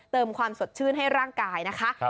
เติมความสดชื่นให้ร่างกายนะคะ